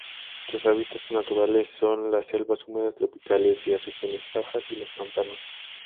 Sus hábitats naturales son las selvas húmedas tropicales de regiones bajas y los pantanos.